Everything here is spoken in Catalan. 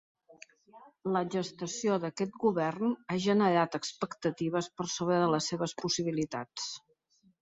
La gestació d’aquest govern ha generat expectatives per sobre de les seves possibilitats.